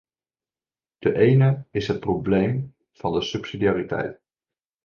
De ene is het probleem van de subsidiariteit.